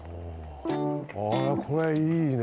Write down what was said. おああこれいいね。